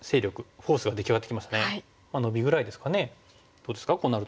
どうですかこうなると。